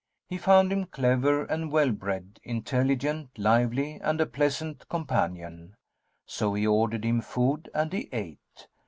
He found him clever and well bred, intelligent, lively and a pleasant companion; so he ordered him food and he ate.